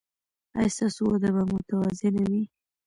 ایا ستاسو وده به متوازنه وي؟